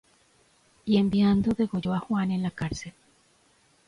Y enviando, degolló á Juan en la cárcel.